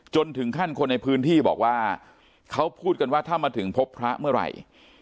จนถึงขั้นคนในพื้นที่บอกว่าเขาพูดกันว่าถ้ามาถึงพบพระเมื่อไหร่